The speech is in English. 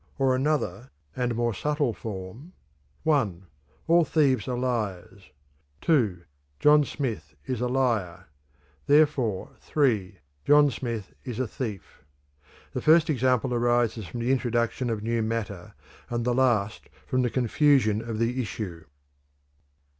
Or another and more subtle form: (1) All thieves are liars; (2) John Smith is a liar; therefore (3) John Smith is a thief. The first example arises from the introduction of new matter, and the last from the confusion of the issue.